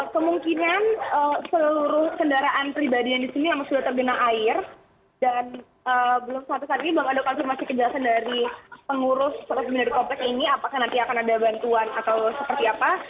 kemungkinan seluruh kendaraan pribadi yang di sini yang sudah tergena air dan belum suatu saat ini belum ada konsumasi kejelasan dari pengurus sebuah jendela kompleks ini apakah nanti akan ada bantuan atau seperti apa